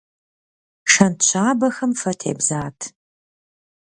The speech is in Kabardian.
Шэнт щабэхэм фэ тебзат.